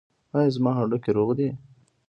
ایا زما هډوکي روغ دي؟